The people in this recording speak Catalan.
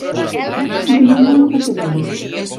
Vull anar a La Fatarella